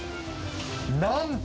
なんと。